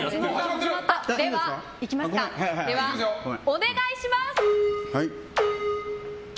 では、お願いします！